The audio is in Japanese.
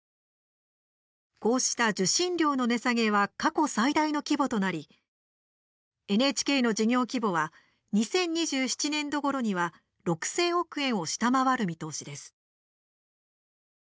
こうした受信料の値下げは過去最大の規模となりＮＨＫの事業規模は２０２７年度ごろには６０００億円を下回る見通しです。